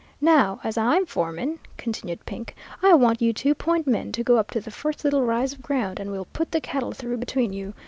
Now, as I'm foreman,' continued Pink, 'I want you two point men to go up to the first little rise of ground, and we'll put the cattle through between you.